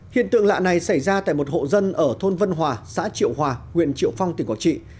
hiện tượng lạ này xảy ra tại một hộ dân ở thôn vân hòa xã triệu hòa huyện triệu phong tỉnh quảng trị